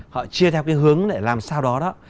họ chia theo cái hướng để làm sao đó đó